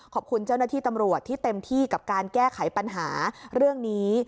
ขอบคุณเจ้าหน้าที่ตำรวจที่เต็มที่กับการแก้ไขปัญหาเรื่องนี้